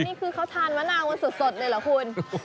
นี่คือเขาทานมะนาวกันสดเลยเหรอคุณ